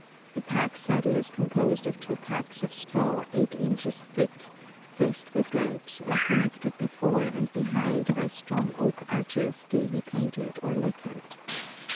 The pack saddle is composed of two packs of straw eight inches thick, faced with red, and connected before and behind by strong oak arches gaily painted or lacquered.